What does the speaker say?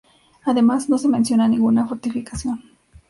Además, no se menciona ninguna fortificación.